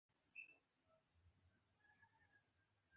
একটু আগেও এখানে জমজমাট ছিল।